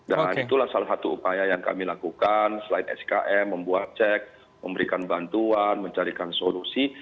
itulah salah satu upaya yang kami lakukan selain skm membuat cek memberikan bantuan mencarikan solusi